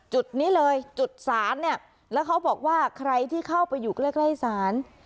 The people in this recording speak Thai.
จุดนี้เลยจุดศาลเนี่ยแล้วเขาบอกว่าใครที่เข้าไปอยู่ใกล้ใกล้ศาล